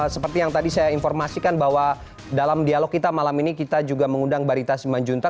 seperti yang tadi saya informasikan bahwa dalam dialog kita malam ini kita juga mengundang barita simanjunta